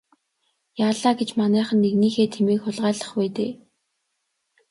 Яалаа гэж манайхан нэгнийхээ тэмээг хулгайлах вэ дээ.